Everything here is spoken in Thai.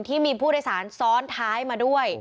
ที่มีผู้โดยสารซ้อนท้ายมาด้วย